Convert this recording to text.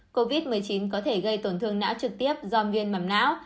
covid một mươi chín có thể gây tổn thương não trực tiếp do viêm mầm não